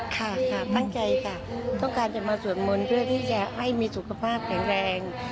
ค่ะค่ะตั้งใจค่ะต้องการจะมาสวดมนต์เพื่อที่จะให้มีสุขภาพแข็งแรง